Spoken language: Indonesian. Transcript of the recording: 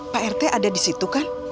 pak rt ada di situ kan